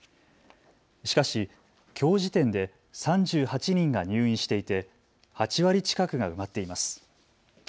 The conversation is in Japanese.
しかし、きょう時点で３８人が入院していて８割近くが埋まっています。